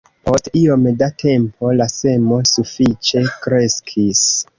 Post iom da tempo, la semo sufiĉe kreskis.